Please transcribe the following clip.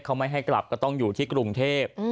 เขาไม่ให้กลับก็ต้องอยู่ที่กรุงเทพ